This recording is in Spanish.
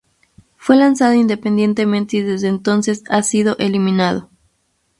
Fue lanzado independientemente y desde entonces ha sido eliminado.